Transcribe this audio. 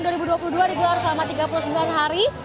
digelar selama tiga puluh sembilan hari